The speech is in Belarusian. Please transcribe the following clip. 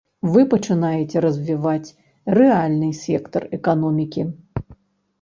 Вы пачынаеце развіваць рэальны сектар эканомікі.